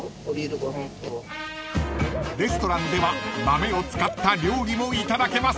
［レストランでは豆を使った料理もいただけます］